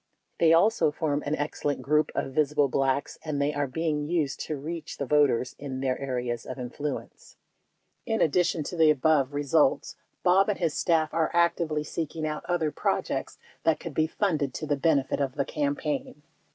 They also form an excellent group of visible Blacks and they are being used to reach the voters in their areas of influence. 49 In addition to the above results, Bob and his staff are ac tively seeking out other projects that could be funded to the benefit of the campaign.